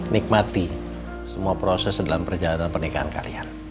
nikmati semua proses dalam perjalanan pernikahan kalian